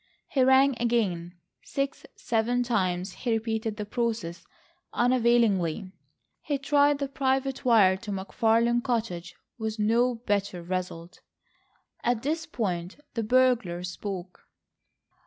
He rang again,—six, seven times he repeated the process unavailingly. He tried the private wire to the McFarlane cottage with no better result. At this point the burglar spoke.